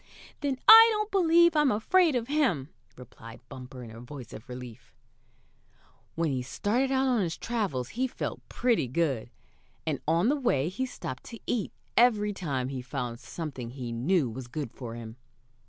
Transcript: "Then I don't believe I'm afraid of him," replied Bumper, in a voice of relief. When he started out on his travels he felt pretty good, and on the way he stopped to eat every time he found something he knew was good for him.